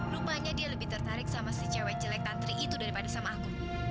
rupanya dia lebih tertarik sama si cewek jelek santri itu daripada sama aku